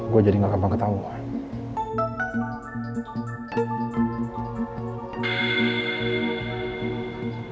gue jadi gak gampang ketahuan